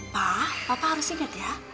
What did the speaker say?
pa papa harus ingat ya